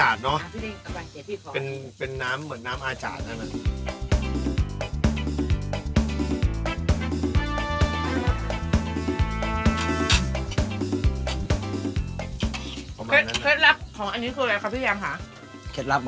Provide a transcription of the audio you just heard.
เคล็ดรับหรือครับ